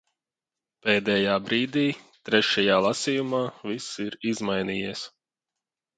Pēdējā brīdī, trešajā lasījumā, viss ir izmainījies.